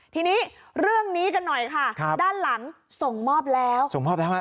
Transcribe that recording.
ทีนี้เรื่องนี้กันหน่อยค่ะด้านหลังส่งมอบแล้วส่งมอบแล้วฮะ